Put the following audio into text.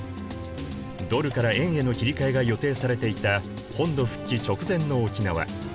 ドルから円への切り替えが予定されていた本土復帰直前の沖縄。